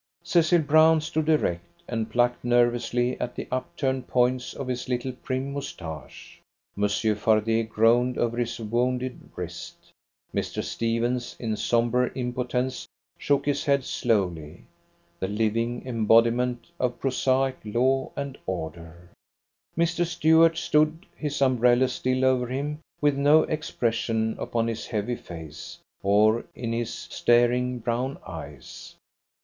Cecil Brown stood erect, and plucked nervously at the up turned points of his little prim moustache. Monsieur Fardet groaned over his wounded wrist. Mr. Stephens, in sombre impotence, shook his head slowly, the living embodiment of prosaic law and order. Mr. Stuart stood, his umbrella still over him, with no expression upon his heavy face, or in his staring brown eyes.